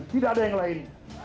tidak ada yang lain